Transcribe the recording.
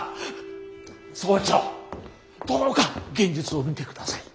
総長どうか現実を見てください！